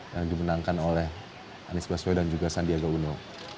yang dimenangkan oleh anies baswe dan juga sandiaga uno